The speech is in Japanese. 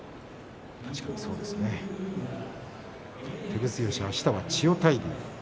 照強は、あしたは千代大龍。